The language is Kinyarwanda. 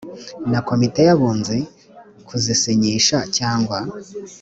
na komite y abunzi kuzisinyisha cyangwa